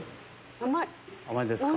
甘いですか。